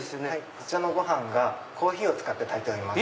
そちらのご飯がコーヒーを使って炊いております。